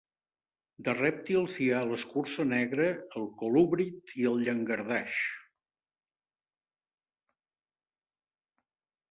De rèptils hi ha l'escurçó negre, el colúbrid i el llangardaix.